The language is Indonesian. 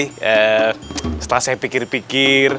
setelah saya pikir pikir